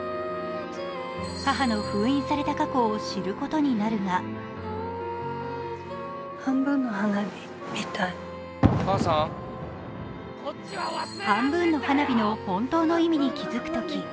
母の封印された過去を知ることになるが半分の花火の本当の意味に気付くとき